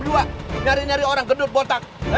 buat nyari nyari orang gendut botak